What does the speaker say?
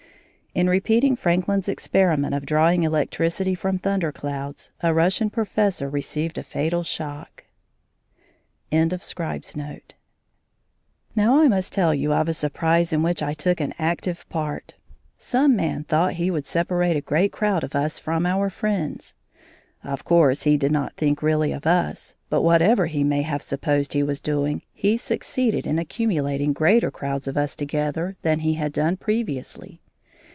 In repeating Franklin's experiment of drawing electricity from thunder clouds, a Russian professor received a fatal shock. CHAPTER IV SOME GOOD SPORT Now I must tell you of a surprise in which I took an active part. Some man thought he would separate a great crowd of us from our friends. Of course, he did not think really of us, but whatever he may have supposed he was doing, he succeeded in accumulating greater crowds of us together than he had done previously.